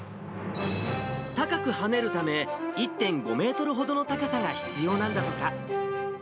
高く跳ねるため、１．５メートルほどの高さが必要なんだとか。